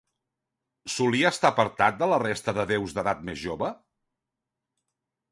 Solia estar apartat de la resta de déus d'edat més jove?